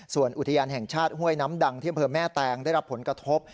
ส่วนอุทยานแห่งชาติห้วยน้ำดังที่อำเภอแม่แตงได้รับผลกระทบ